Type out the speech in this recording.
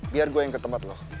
biar gue yang ke tempat lo